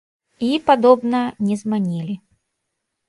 І, падобна, не зманілі.